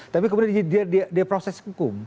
tapi kemudian dia proses hukum